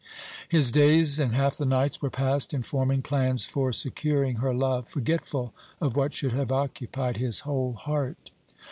His days and half the nights were passed in forming plans for securing her love, forgetful of what should have occupied his whole heart.